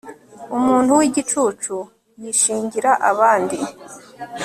umuntu w'igicucu yishingira abandi